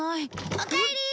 おかえりー！